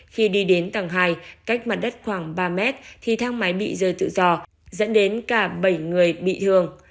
khi đi đến tầng hai cách mặt đất khoảng ba mét thì thang máy bị rơi tự do dẫn đến cả bảy người bị thương